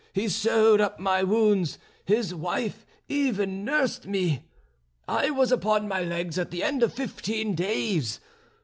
He sewed up my wounds; his wife even nursed me. I was upon my legs at the end of fifteen days.